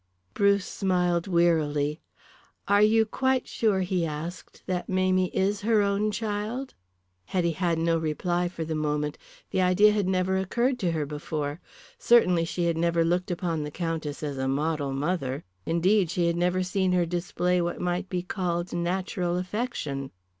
Bruce smiled wearily. "Are you quite sure," he asked, "that Mamie is her own child?" Hetty had no reply for the moment. That idea had never occurred to her before. Certainly she had never looked upon the Countess as a model mother; indeed, she had never seen her display what might be called natural affection.